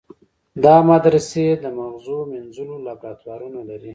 دا مدرسې د مغزو مینځلو لابراتوارونه لري.